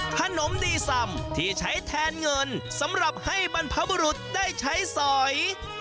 ขนมดีซำที่ใช้แทนเงินสำหรับให้บรรพบุรุษได้ใช้สอย